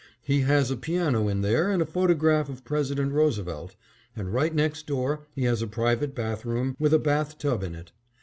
He has a piano in there and a photograph of President Roosevelt; and right next door he has a private bath room with a bath tub in it.